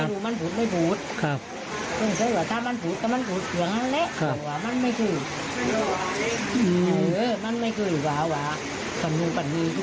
ไม่รู้มันพูดไม่พูดครับถ้ามันพูดก็มันพูดเขียงเง่าแหละครับ